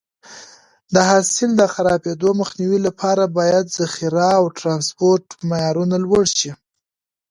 د حاصل د خرابېدو مخنیوي لپاره باید ذخیره او ټرانسپورټ معیارونه لوړ شي.